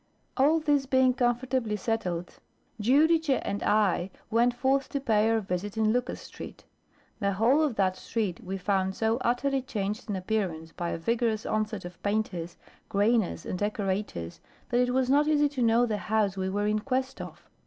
All this being comfortably settled, Giudice and I went forth to pay our visit in Lucas Street. The whole of that street we found so utterly changed in appearance by a vigorous onset of painters, grainers, and decorators, that it was not easy to know the house we were in quest of.